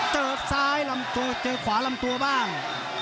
เจอซ้ายลำตัวเจอขวาลำตัวบ้าง